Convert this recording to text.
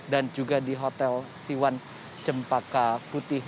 dan juga di hotel siwan cempaka putih